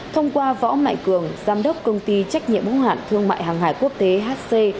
thông qua võ mạnh cường giám đốc công ty trách nhiệm ủng hạn thương mại hàng hải quốc tế hc